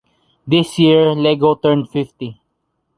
This year, Lego turned fifty.